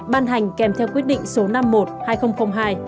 ban hành kèm theo quyết định số